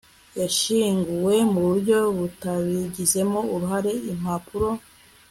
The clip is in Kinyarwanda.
Yashyinguwe muburyo butabigizemo uruhare impapuro